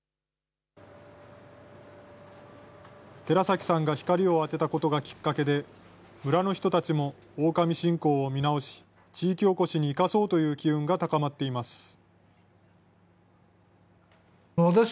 寺崎さんが光を当てたことがきっかけで、村の人たちもオオカミ信仰を見直し、地域おこしに生かそうという機運が高まっています。